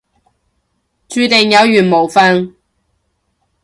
注定有緣冇瞓